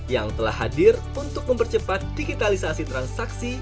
yang telah hadir untuk mempercepat digitalisasi transaksi